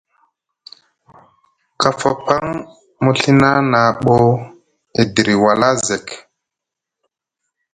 Kafa paŋ mu Ɵina na boo e diri wala zek.